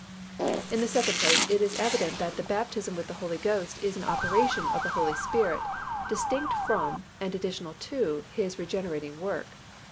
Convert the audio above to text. In the second place it is evident that _the baptism with the Holy Spirit is an operation of the Holy Spirit distinct from and additional to His regenerating work_.